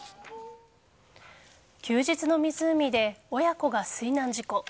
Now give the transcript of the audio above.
休日の湖で親子が水難事故。